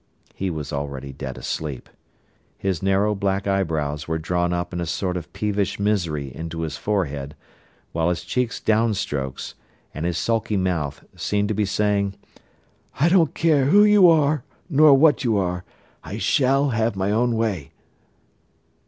He was already dead asleep. His narrow black eyebrows were drawn up in a sort of peevish misery into his forehead while his cheeks' down strokes, and his sulky mouth, seemed to be saying: "I don't care who you are nor what you are, I shall have my own way."